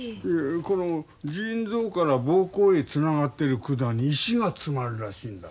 この腎臓からぼうこうへつながっている管に石が詰まるらしいんだ。